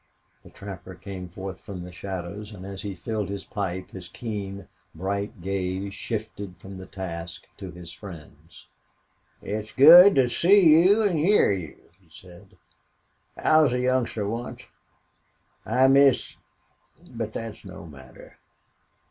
The trapper came forth from the shadows, and as he filled his pipe his keen, bright gaze shifted from the task to his friends. "It's good to see you an' hyar you," he said. "I was a youngster once I missed but thet's no matter....